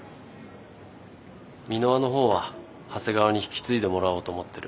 美ノ和の方は長谷川に引き継いでもらおうと思ってる。